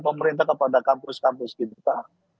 pemerintah kepada kampus kampus kita